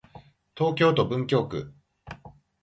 東京都文京区